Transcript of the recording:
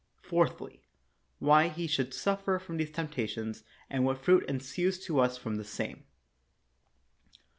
Fourthly, why he should suffer these temptations, and what fruit ensues to us from the same.